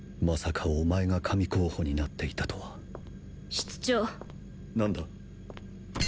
まさかお前が神候補になっていたとは室長何だ？